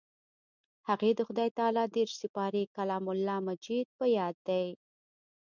هغې د خدای تعالی دېرش سپارې کلام الله مجيد په ياد دی.